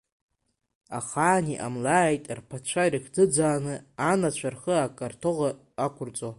Ахаан иҟамлааит, рԥацәа ирыхӡыӡааны анацәа рхы акартоӷа ақәырҵо!